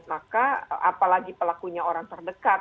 maka apalagi pelakunya orang terdekat